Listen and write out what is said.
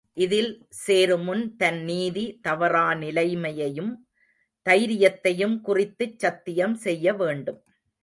இதில் சேருமுன் தன் நீதி, தவறா நிலைமையையும், தைரியத்தையும் குறித்துச் சத்தியம் செய்யவேண்டும்.